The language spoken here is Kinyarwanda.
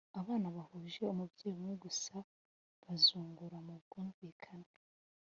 abana bahuje umubyeyi umwe gusa bazungura mu bwumvikane